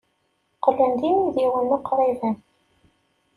Qqlen d imidiwen uqriben.